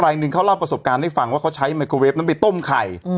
หนึ่งเขาเล่าประสบการณ์ให้ฟังว่าเขาใช้ไมโครเวฟนั้นไปต้มไข่